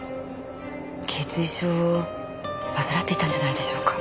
頚椎症を患っていたんじゃないでしょうか？